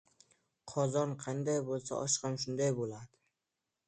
• Qozon qanday bo‘lsa, osh ham shunday bo‘ladi.